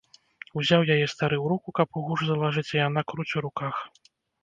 Узяў яе стары ў руку, каб у гуж залажыць, а яна круць у руках.